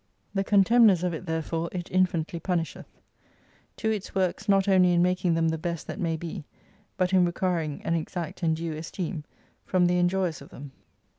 The contemners of it therefore it infinitely punisheth. To its works not only in making them the best that may be, but in requiring an exact and due esteem, from the enjoyers of them.